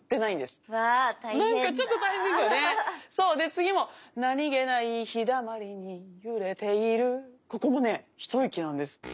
で次もなにげないひだまりにゆれているここもね一息なんです。